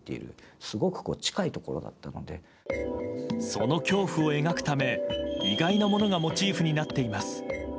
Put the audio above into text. その恐怖を描くため意外なものがモチーフになっています。